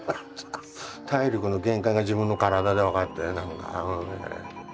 体力の限界が自分の体で分かって。